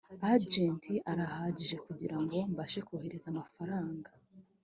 Agent arahagije kugira ngo mbashe kohereza amafaranga